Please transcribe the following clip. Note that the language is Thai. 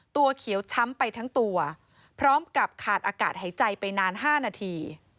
ตัวเขียวช้ำไปทั้งตัวพร้อมกับขาดอากาศหายใจไปนาน๕นาที